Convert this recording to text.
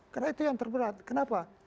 karena itu yang terberat kenapa